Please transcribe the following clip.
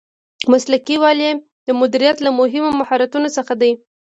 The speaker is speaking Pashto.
مسلکي والی د مدیریت له مهمو مهارتونو څخه دی.